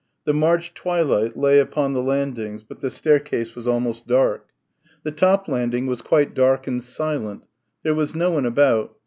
The March twilight lay upon the landings, but the staircase was almost dark. The top landing was quite dark and silent. There was no one about.